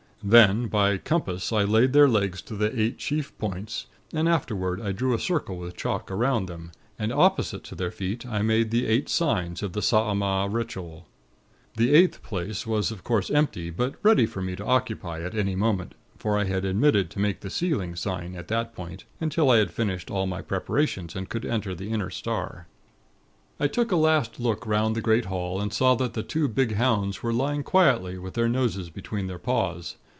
Then, by compass, I laid their legs to the eight chief points, and afterward I drew a circle with chalk around them; and opposite to their feet, I made the Eight Signs of the Saaamaaa Ritual. The eighth place was, of course, empty; but ready for me to occupy at any moment; for I had omitted to make the Sealing Sign to that point, until I had finished all my preparations, and could enter the Inner Star. "I took a last look 'round the great hall, and saw that the two big hounds were lying quietly, with their noses between their paws.